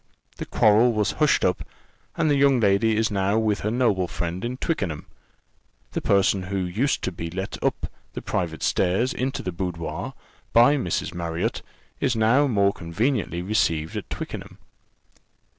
The quarrel was hushed up, and the young lady is now with her noble friend at Twickenham. The person who used to be let up the private stairs into the boudoir, by Mrs. Marriott, is now more conveniently received at Twickenham."